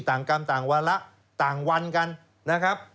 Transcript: ต่างกรรมต่างวัลละต่างวันกัน